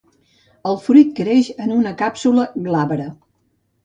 El fruit creix en una càpsula glabra.